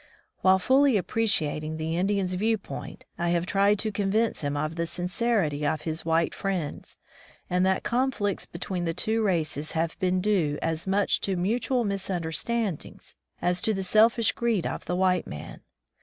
While fully appreciating the Indian's view point, I have tried to convince him of the sincerity of his white friends, and that con flicts between the two races have been due as much to mutual misunderstandings as to the selfish greed of the white man.